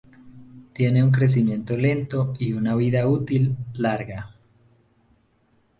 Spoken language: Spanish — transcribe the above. Tienen un crecimiento lento y una vida útil larga.